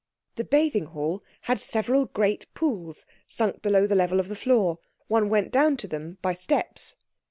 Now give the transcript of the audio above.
The bathing hall had several great pools sunk below the level of the floor; one went down to them by steps.